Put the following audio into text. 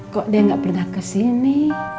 kok dia nggak pernah kesini